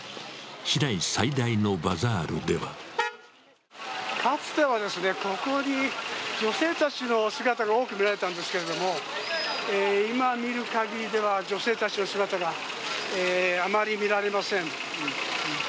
市内最大のバザールではかつてはここに女性たちの姿が多く見られたんですけれども今見る限りでは女性たちの姿があまり見られません。